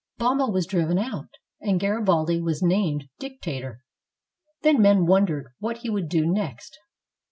Bomba was driven out, and Garibaldi was named dic tator. Then men wondered what he would do next.